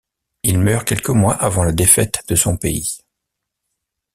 Il meurt quelques mois avant la défaite de son pays.